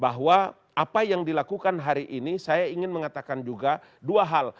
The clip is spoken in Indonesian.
bahwa apa yang dilakukan hari ini saya ingin mengatakan juga dua hal